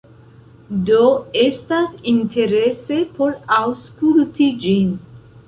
Do, estas interese por aŭskulti ĝin